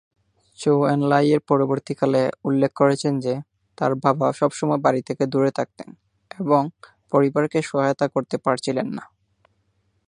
চৌ এন-লাই পরবর্তীকালে উল্লেখ করেছেন যে, তার বাবা সবসময় বাড়ী থেকে দূরে থাকতেন এবং পরিবারকে সহায়তা করতে পারছিলেন না।